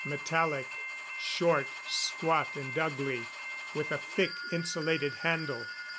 Metallic. Short, squat and ugly, with a thick, insulated handle.